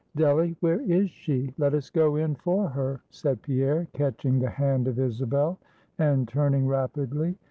"Delly! where is she? Let us go in for her," said Pierre, catching the hand of Isabel, and turning rapidly.